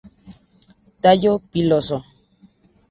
Tallo piloso.